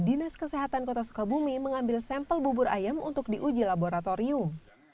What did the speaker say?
dinas kesehatan kota sukabumi mengambil sampel bubur ayam untuk diuji laboratorium